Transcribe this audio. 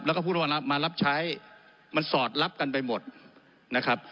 แล้วก็พูดว่ามารับใช้มันสอดรับกันไปหมดนะครับ